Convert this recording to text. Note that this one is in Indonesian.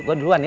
gue duluan ya